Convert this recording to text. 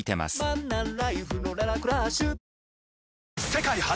世界初！